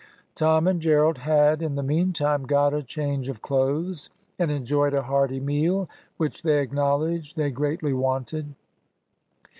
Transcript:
Tom and Gerald had, in the meantime, got a change of clothes and enjoyed a hearty meal, which they acknowledged they greatly wanted.